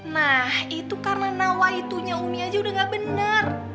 nah itu karena nawah itunya umi aja udah gak bener